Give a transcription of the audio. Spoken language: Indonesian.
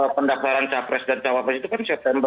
pendakwaran capres dan cawapres itu kan